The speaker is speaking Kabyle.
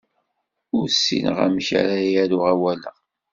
Ur ssineɣ amek ara aruɣ awal-a.